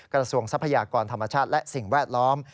ทรัพยากรธรรมชาติและสิ่งแวดล้อม